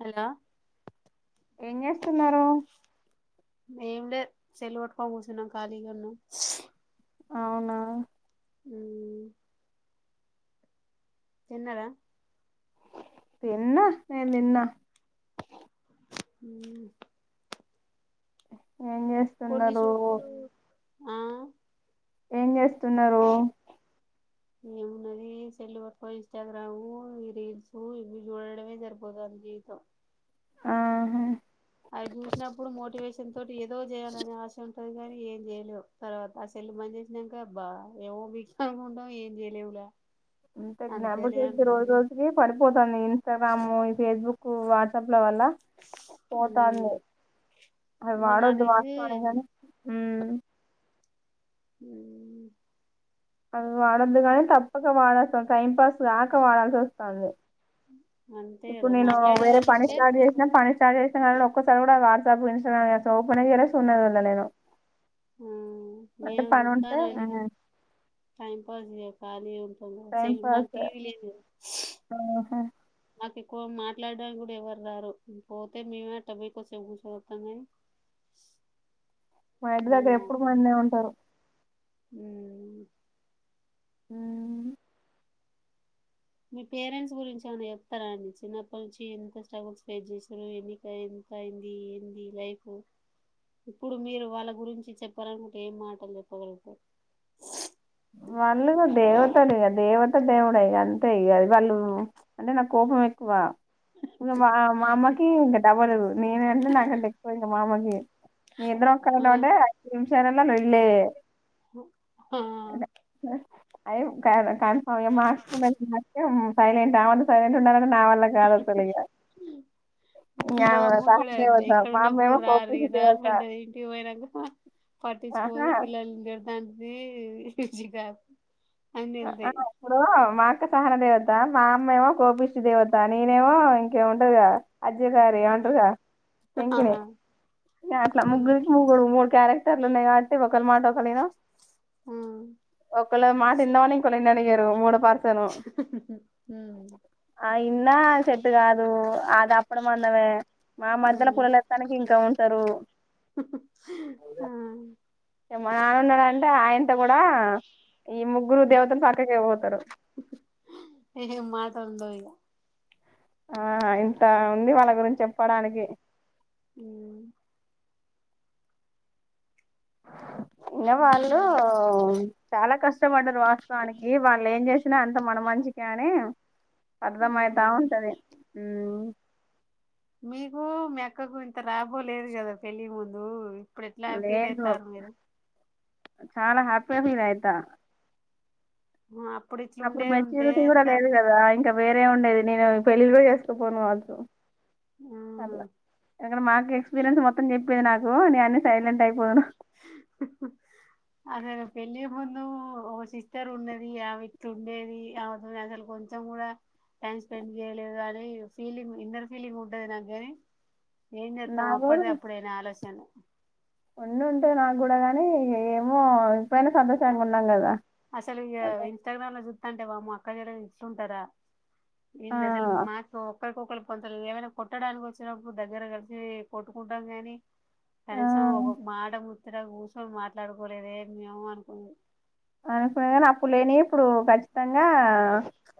Hello ఏం చేస్తున్నారు ఏమి లేద్ సెల్ పట్టుకోనీ కూసున్న ఖాళీగ ఉన్న అవునా ఊమ్ తిన్నారా తిన్న నేను తిన్న ఉమ్ [inaudible] కోన్ని చేస్తున్నారు సూపులు ఏం చేస్తున్నారు ఏమున్నది సెల్ పట్టుకొని ఇన్స్టాగ్రాము ఈ రీల్సు ఇవి చూడడమే సరిపోతంది జీవితం ఆహా అవి చూసినప్పుడు మోటివేషన్ తోటి ఏదో చేయాలని ఆశ ఉంటది గాని ఏం చేయలేవు తర్వాత ఆ సెల్లు బంజేసినంక అబ్బా ఏమో [unintelligible] ఏం చేయలేమురా ఇంత జ్ఞాప శక్తి రోజు రోజుకి పడిపోతంది ఇన్స్టాగ్రామ్ ఈ ఫేస్బుకు వాట్సాప్ ల వల్ల మ్మ్ పోతాంది అవి ఉన్న వాడొద్దు నాలెడ్జ్ వాస్తవానికి కానీ, మ్మ్ మ్మ్ మ్మ్ అవి వాడొద్దు కానీ తప్పక వాడాల్సంది టైంపాస్ కాక వడాల్సొస్తంది అంతే ఇప్పుడు కదా నేను మాట్లాడే వేరే వాళ్ళు పని స్టార్ట్ ఉంటే చేసినా పని స్టార్ట్ చేసినకాడ్ నుండి ఓక్ ఒక్కసారి కూడా వాట్సాప్ ఇంస్టాగ్రామ్ అసల్ ఓపెనే చేయలేదు సూడనే సూడలే నేనే మ్మ్ మేం ఉంటే చూతన్నం ఐనగాని టైం [unintelligible] కాలీ ఉంటే టైం సెల్ మాకు పాస్ టీవీ లేదు కదా ఆహా నాకు ఎక్కువ మాట్లాడడానికి కూడా ఎవరు రారు ఇంక పోతే మేమే అట్ట బోయి కొసేపు కూసోని అత్తము కానీ మా ఇంటి దగ్గర ఎప్పుడు మందే ఉంటరు మ్మ్ మ్మ్ మీ పేరెంట్స్ గురించి ఏమైనా చెప్పరా అండి చిన్నప్పటి నుంచి ఎంత స్ట్రగుల్స్ ఫేస్ చేసిర్రు ఎన్నిక ఎంత అయింది ఏంది లైఫ్ ఇప్పుడు మీరు వాళ్ళ గురించి చెప్పాలనుకుంటే ఏం మాటలు చెప్పగలుగుతారు వాళ్ళు దేవతలు ఇగ దేవత దేవుడే ఇగ అంతే ఇగ అ వాళ్ళు అంటే నాకు కోపం ఎక్కువ ఇంక మా అమ్మకి ఇంకా డబలు నేన్ అంటే నాకంటే ఎక్కువ ఇంకా మా అమ్మకి మీ ఇద్దరం ఆ కలవడం అంటే ఐస్ క్రీం విషారన్నా లొల్లే మ్మ్ అయ్యో కాయలా కన్ఫర్మ్ ఇగ మార్సుకుంటా [unintelligible] సైలంటా అంత సైలెట్ ఉండాలంటే నా వల్ల కాదు అసలు ఇక ఇంకా మా ఆమె అమ్మ కూడా అంతే సహదేవత ఇక్కడ మా అమ్మ ఉన్నప్పుడు ఏమో రార కోపించే రార దేవత అంటేది ఇంటి పోయినాక పట్టించుకోదు ఆహా పిల్లలు అదీ [unintelligible] ఆ ఆ, అన్నేళ్తయి ఇప్పుడు మా అక్క సహన దేవత మా అమ్మ ఏమో కోపిష్టి దేవత నేనేమో ఇంకేముంటదిగా అజ్జకారి ఏమో అంటారుగా ఆ శంకిని ఆ ఇగ అట్లా ముగ్గురికి ముగ్గురు మూడు క్యారెక్ట్ లున్నాయి కాబట్టి ఒకల్ మాట ఒకల్ ఇనం మ్మ్ ఒకల మాట ఇన్నవని ఇంకోలని ఇననియ్యరు మూడు పార్ మ్మ్ ఆ ఇన్నా సెట్ కాదు అది అప్పుడు మందమే మా మధ్యల పులల్ ఎత్తానికి ఇంకా ఉ తరు ఆ మా నానున్నాడుంటే ఆయనతో కూడా ఈ ముగ్గురు దేవతలు చక్కకి ఇవ్వ పోతారు ఏం మాటలు ఉండవు ఆ ఇంత ఉంది వాళ్ళ గురించి చెప్పడానికి అ ఇకా వాళ్ళు ఇగ చాలా కష్టపడ్డారు వాస్తవానికి వాళ్ళు ఏం చేసినా అంత మన మంచిగా కాని అర్థం అవుతా ఉంటది అ మీకు మీ అక్కకు ఇంత రాలాబో లేదు కదా పెళ్లి ముందు ఇప్పుడు ఎట్లా ఫీల్ లేదు అయితారు మీరు చాలా హ్యాపీగా ఫీల్ అయితా ఆ, ఇట్లా అప్పుడు ఉండేది ఉంటే మెచ్యూరిటీ కూడా ఎంత లేదు కదా ఇంకా వేరే అరే ఉండేది నేను పెళ్ళిళ కూడా చేసుకోపోనువచ్చు అలా ఆ ఇక్కడ మాకు ఎక్స్పీరియన్స్ మొత్తం చెప్పేది నాకు నే అన్ని సైలెంట్ అయిపోదును అసలు పెళ్ళే ముందు ఒక సిస్టర్ ఉండేది ఆమె ఇట్ ఉండేది ఆమెతో అసలు కొంచెం కూడా టైం స్పెండ్ చేయలేదు అని ఫీలింగ్ ఇన్నర్ ఫీలింగ్ ఉంటది నాకు కాని ఏం చేస్తాం నాకు కూడా అప్పటిదే అప్పుడయినా ఆలోచనలు ఉండి ఉంటాయి నాకు కూడా గాని ఏమో ఇపోయినా సంతోషానికి ఉన్నాం కదా అసలు అదే ఇన్స్టాగ్రామ్ అంటే వామ్ మా అక్క జర ఇస్తుంటారా ఇ ఆ సలు మాస ఒకరికొక్కరి పొంతలు ఏమైనా కొట్టడానికి వచ్చినప్పుడు దగ్గర కలిసి కొట్టుకుంటాం గానీ కనీసం ఆ ఒక మాడ ము ఇంతడ కూర్చొని మాట్లాడుకోలేదే మేము అనుకున్నా అనుకునే కానీ అప్పు లేని ఇప్పుడు గ గా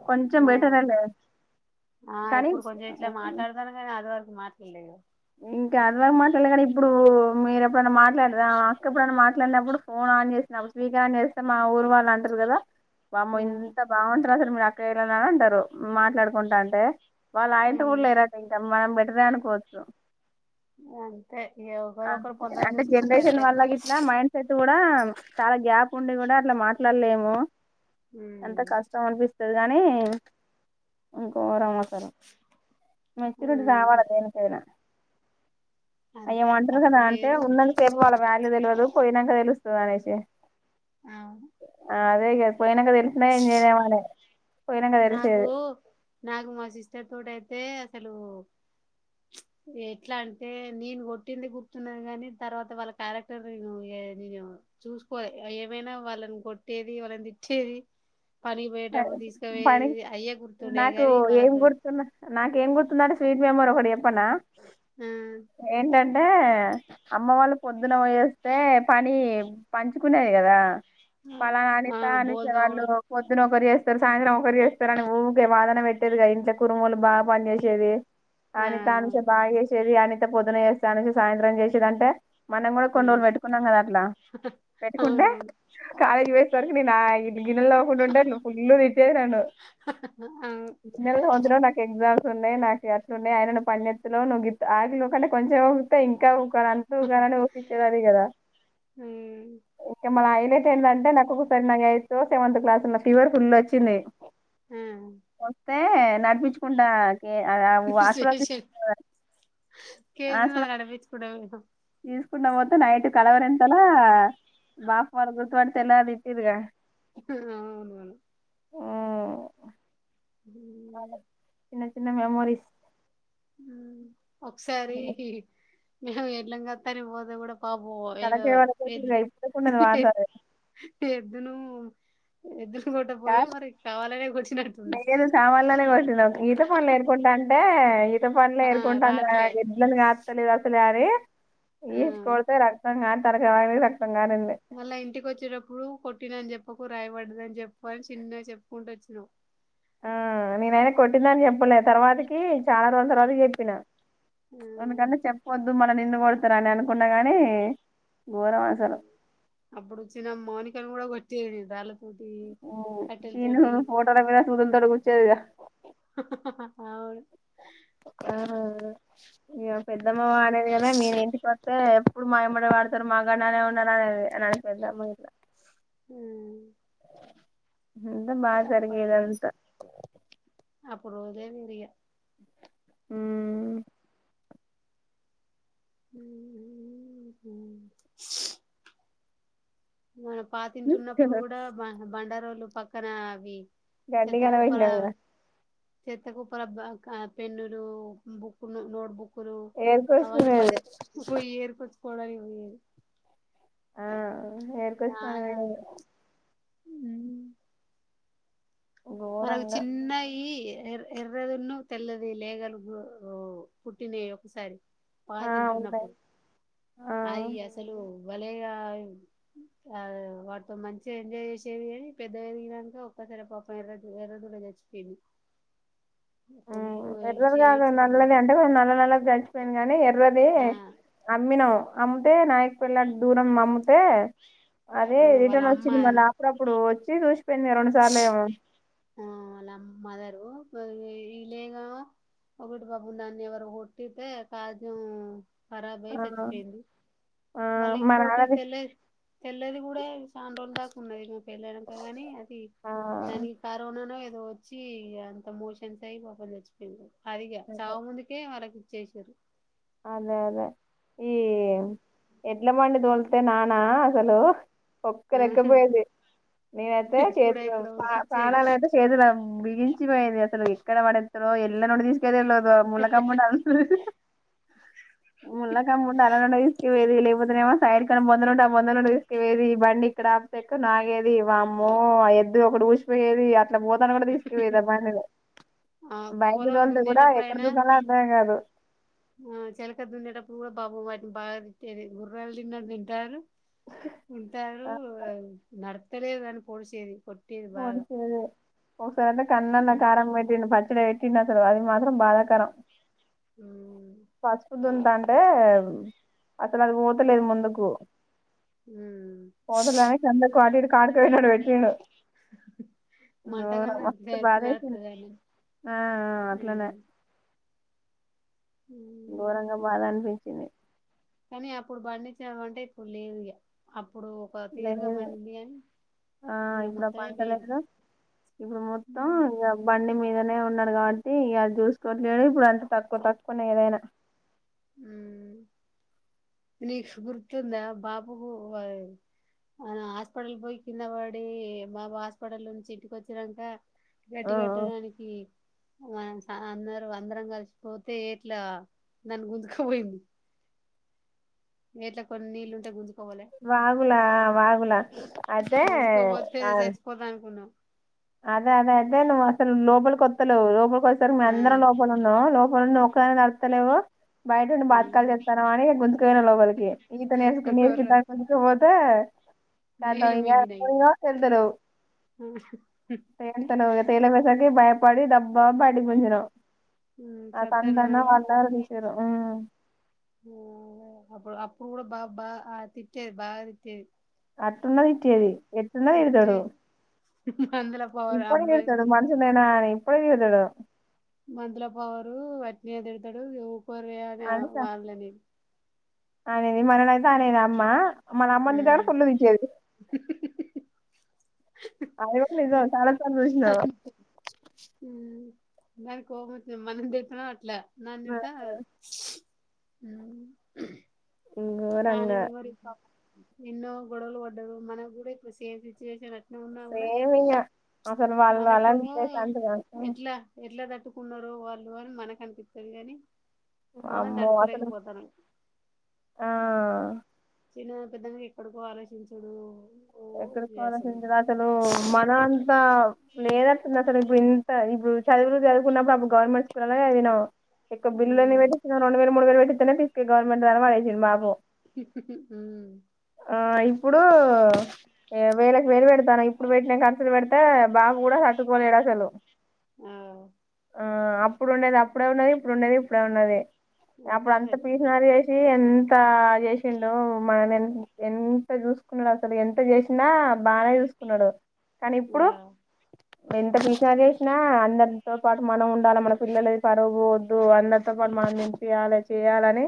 కొంచెం ఆ పెటరలే ఆ కనీ మాట్ల ఇంకా అదివక మాట్లాడలే కానీ ఇప్పుడు మీరు ఎప్పుడైనా మాట్ అక్కప్పుడు మాట అట్లన్నప్పుడు ఫోన్ ఆన్ చేసినప్పుడు స్వీక ఆన్ చేస్తే మా ఊరు వాళ్ళు అంటారు కదా బామ్మ ఉమ్ ఇంత బాగుంటారు సార్ మీ నా న్నా ఉంటారు మాట్లాడుకుంటా అంటే వాళ్ళ ఆయంట ఉమ్. కూడా లేరట్ మనం రానుకోద్ స ఆ అంతే అంటే జనరేషన్ అట్లే వాల్ల ఇట్లా మైండ్ సెట్ కూడా చాలా గ్యాప్ ఉండి కూడా అట్లా మ ట్ల లేమో ఎంత కష్టం అనిపిస్ ది గాని గోరమసలు ఆ మెచ్యూరిటీ రావాలి దేనికైనా అంతే యేమంటారు కదా అప్పుడు అంటే లేదు ఉన్నంత సేపు వాళ వాల్యూ తెలియదు పోయినాక తెలు సది అనేసి ఆ అ తెగ పోయినక తెలిసిన ఏం జేయలేం మనే నాగుూ నాగు మా సిస్టర్ తోటఅయితే హలో ఎట్లా అంటే నేను కొట్టింది గుర్తున్నది గాని తర్వాత వాళ్ళ క్యారెక్టర్ నేను చూసుకో ఏమైనా వాళ్ళని కొట్టేది వాళ్ళని తిట్టేది పనికి పోయేటప్పుడు పని తీసుకువయేది అయ్యే గుర్తుండయి నాకు కానీ ఏం వాళ్ళతో గుర్తున్న నాకేం గుర్తుందంటె స్వీట్ మెమొరి ఒకటి చెప్పనా హు అంటే అమ్మ వాళ్ళు పొద్దున ఒయోస్తే పని పంచుకునేది కదా పలానా ఆ అనిత అనుష వాళ్ళు బోల్దోవడం కొద్ ఒకరు చేస్తారు సాయంత్రం ఒకరు చేస్తారు అని ఊకే వాదన పెట్టేదిగా ఇంట్లో కురుమలు బాగా పని చేసేది ఆ అనిత అనుష బాగా చేసేది అని పొద్దున్న చేస్తా అనేసి సాయంత్రం చేసేదాన్టా మనం కూడా ఆ కొన్న్రోజులు పెట్టుకున్నాం కదా అట్లా పెట్టుకుంటే అవునవును కాలేజీ వే కడుపునిండాయ్ గిన్నెల్ తోముకుంటుంటే ఫుల్ తిట్టేది నన్ను అవును గిన్నెల్ తోముతున్నవ్ నకే ఎగ్జామ్స్ ఉన్నాయి నాకు అట్లున్నాయ్ అయిన నువ్వ్ పన్జేత్తనావ్ నువ్వు గిత్ ఆకిలి ఉ కంటే అంటే కొంచం ఊకితే ఇంకా ఊక్ అంటూ కాని కిచ్చేది అది గదా ఇక మన ఆయన అంటే నాకొక [inaudible] సెవెంత్ క్లాసున్న ఫీవర్ ఫుల్చొనయి అ అే నడిపించుకుంటా ఆ హాస్పిటల్ శేషం తీసుకు- కేజ అల అడపిచ కూడ పోదు ప్పు న మత్త నైట్ కలవర ఎంతలా బాపు మ గుర్తుబడతే ఎల అది ఇట్దిగా [unintelligible] హ్మ్ ఉమ్. మ్మ్ చిన్న చిన్న మెమోరీస్ మ్మ్ ఒకసారి ఎడ్లంగతరి పోదు కూడా పాపొ ఏదో తలకాయ ఏది పగలగొట్టిరుగా ఇప్పుడుకున్నది వాతావరణం ఎదు ను ఎదురు సామాన్లన్నీ కొంటున్నాం ఈత పండ్లు ఏరుకుంటాంటే ఇద్ద పనులు ఆ ఎరుకుంటాను రాట్లే ఎడ్లను కాస్తలిదు అసలు అని ఆ ఎష్ కొడితే రాక్తంగా తరక [inaudible] మళ్ళ ఇంటికి వచ్చేటప్పుడు కొట్టిన అని చెప్ ఓ రాయి పడ్డదని చెప్పు అని చిన్నగా చెప్పుకుంటూ వచ్చినవ్ ఆ నేనైనా కొట్టిందని చెప్పలే తర్వాతకి చాలా రోజుల తర్వాత చెప్పిన తమకాన్ని చెప్పొద్దు మన [unintelligible] రని అనుకున్నా గాని ఘోరం అసలు అప్పుడు వచ్చిన మోనికను కూడా కొట్ కేజ్ బాళ్లు చీను ఫోటో ర మీద సూలు తొడుగు [unintelligible] చేదగ అవును ఆ ఇగ పెద్దమ్మ వాళ్లది కదా మీరూ ఇంటికొత్తే ఎప్పుడు మాయమ్మడ వాడతారు మాగడ్నే అయిన ఉందండి అని అనేది పెద్దమ్మ అయితే ఉమ్ అంత బాగా జరిగేది అంతా అప్పుడు రోజులేవేరిగ హుమ్ మన పాతింతున్నప్పుడు కూడా బ బండరోళ్లు లు పక్కన అవి దండి కనివెట్నాం కద చెత్తకుప్పర పెన్నులు బుక్ నోట్ బుక్ లు అవన్నీ ఏరుకోసుకునేది బడే పొయ్యి ఏరుకొచ్చు కొడై ఉంది ఆ అహా ఏరుకొచ్చుకొనేకి పోయిండు మనమ్ ఘోరంగా చిన్నయి ఎ ఎర్రదున్న తెల్లది లేగలు గు పుట్టినయి ఒకసారి ఆ ఉన్నాయి పాతింట్లొఉన్నప్పుడు ఆ అయి అసలు బాలేగా వాటితో మంచిగా ఎంజాయ్ చేసేది గాని పెద్దగదిగినంక ఒక్కసారి పాప ఎర్ర ఎర్ర దూడ చచ్చిపోయింది ఊ ఫుల్లు ఎర్రది ఏడ్చి కాదు ఏడ్చింది నల్లది అంటే మనం [unintelligible] పోయింది గాని ఎర్రది ఆ అమ్మినం అమ్మితే నాయక్ పెల్లాం దూరం అమ్మితే అదే ఆ వాళ్ళ రిటర్న్ అమ్మ వచ్చింది మన ఆమె అప్పుడప్పుడు వచ్చి చూసు పోయినాయి రెండు సార్లు ఏమో మరి ఇలేగా ఒకటి పాపం దాన్ని ఎవరు కొట్టితే కాజం కరాబ్ అయి ఆ చచ్చిపోయింది ఆ మళ్ళీ మా ఇంకోటి నాన్నది తెల్ల తెల్లిది కూడా చాండ్రోజుల దాకా ఉన్నది పెళ్ళాకగాని ది ఆ దాని కరోనా నో వచ్చి అంత మోషన్స్ అయి పాపం చచ్చిపోయింది అదిగ అదే చావు ముందుకే వరకు చేశారు అదే అదే ఈ ఎడ్లమండి దోల్ నానా అసలు ఒక్క రెక్కపోయది నేనయితే ఎక్కడ చేతులు ఎక్కడ పా ఉరికిచ్చేది పానాలయితే చేతులా బిగించి చ్చియింది అసలు ఇసుకల పడేతరో ఎల్ల నుండి తీస్ కేరలోగా ములకా [unintelligible] ముళ్లకమ్ ఉంటే [unintelligible] లేకపోతేనేమో సైడ్ కన్నా బొందలుంటే ఆ బొంద నుండి తీసుకుపోయేది ఈ బండి ఇక్కడ ఆ ఎక్కడ నాగేది వామ్మో ఆ ఎద్దు ఒకటి ఊసిపోయేది. అట్లా పోతానంటే కూడా తీసుకుపోయేది ఆ బండిని ఆ బైక్ ను పొలం తోలుతే కూడా దున్నేటప్పుడు ఎక్కడ దూకాలో అర్థం కాదు. హ్మ్మ్ చెలక దున్నేటప్పుడు కూడా పాపం వాటిని బాగా తిట్టేది గుర్రాలు తిన్నట్టు తింటారు తింటారు ఆ నడ్ తెలియదు దాని పోడిసేది కొట్టిది బాగా [unintelligible] కన్నన్న ఉమ్ కారం పెట్టిండు పచ్చడి వెట్ తిన్న తరువాత మాత్రం బాగా కారం ఫాస్ట్ ఫుడ్ అంటే అక్కడ అది పోతలేదు ముందుకు ఉమ్ పోతలేనని సండే [unintelligible] కానుకయినాడు వచ్చిండు గోర మంటగానే మస్తు బాధేసింది నడుత్తది ఆ ఆ అట్లనే ఉమ్ ఘోరంగా బాధ అనిపించింది కానీ అప్పుడు పండించిన పంట ఇప్పుడు లేదు ఇగ అప్ లేదు ఆ ఇగ ఇప్పుడు మొత్తమే పోయింది పంటలేదు ఇప్పుడు మొత్తం ఉమ్ ఇగ బండి మీద నే ఉన్నాడు కాబట్టి ఇగ చూసుకోట్లేడు ఇప్పుడు అంత తక్కువ తక్కువనే ఏదైనా హ్మ్మ్ నీకు గుర్తుందా బాబు ఆ హాస్పిటల్ పోయి కింద వడి బాబు హాస్పిటల్ నుంచి ఇంటిక వచ్చినంక ఆ, గట్టి కట్టడానికి మనం అందరూ అందరం కలిసిపోతే ఎట్లా దాని గుంజుకపోయింది ఎట్లా కొన్ని నీళ్లుంటే గుంజు వాగులా ఆ వాగులా అయితే గుంజుకపోతే ఆ, జచ్చిపోతా అనుకున్నాం అదే అదే అదే నువ్ అసలు లోపలి కొత్తలేవ్ ఒసారి ఆ మేమందరం లోపలున్నామా లోపలున్న నడుత్తలేవు బయటుండి బాతకాలు చెత్తన్నావని గుంజుకుపోయిన లోపలికి ఈత నేర్చ్ గొర్ర నేర్పిస్తా గుంజుక పోతే తే నీళ్లు కదవంగ పో మింగినయి తెలుతురు ఆ తేతావ తల బ భయపడి దబ్బాబడి పజడం ఆ సంతంతన్న సత్యన్నాను వాళ్ళదా అంచ అప్పు అప్పుడు కూడా బా బా తిట్టేది బాగా తిట్టేది అట్టెన్న తిట్రేది ఎట్టెన్న ఎతాడు తిట్టేది మందుల పవర్ ఇప్పుయి అమ్మాయి నేతదు మనుషన్నా ఎప్పుడే వెళడ మంతలపావరు రత్ని అ దడతాడు కోర్వే అని వాడలే నేను అ నేని మరణయిత అ నేను అమ్మ మన అమ్మన్ని ద కూడా కొళ్ళుపించేది అయపో సాడ త వషిన దానికి కోముతు మనం తితున్నాం అట్లా నన్నట అ ఇంగోఊరంగా ఇన్నో గొడవలు ఒడ్దు మన కూడా ఇ సేమ్ సిచువేషన్ అ సేమింగా అసలు వాళ్ళు మనకు అలాంటి ప్సంటగా చట్టుకున్నారు వాళ్ళు అని మనకు అనిపిస్తుంది కాని మనం అమ్మో అసలు తట్టుకోలేకపోతానం ఆ చిన్న పెద్దగా ఎక్కడికో ఆలోచించడు ఎక్కడి కావాల్సింది అతను మన అంతా ఇప్పు లేదంటతుంది అ సార్ ఇప్పుడు ఇంత ఇప్పుడు చదువులు చదువుకున్నప్పుడుప్పుడు గవర్నమెంట్ స్కూల్ అలా అదనా ఇ బల్న్ని ఉమ్ వేటిన రెండు వే మూడు వే వేట్ ఫీస్ గవమెంట్ త మయి మాబ ఉమ్ ఆ ఇప్పుడు వేళలకు వేలు పెడతాను ఇప్పుడు పెట్టినా ఖర్చులు పెడితే బాబ కూడా తట్టుకోలేడు అసలు ఆ ఆ అప్పుడు ఉండేది అప్పుడే ఉన్నది ఇప్పుడు ఉండేది ఇప్పుడే ఉన్నది అప్పుడు అంతే అంత మరి పీసినది వేసి ఎంత ఎంత చేసిండు మనం ఎంత చూసుకున్నాడు అసలు ఎంత చేసినా బాగానే చూసుకున్నాడు కానీ ఇప్పుడు ఆ ఎంత విసా చేసినా అందరు తో పాటు మనం ఉండాలి మన పిల్లల పరువు పోవద్దు అందరితో పాటు మనం నింపయాలి చేయాలని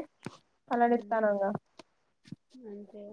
ఉమ్ పలడితానాంగా అంతే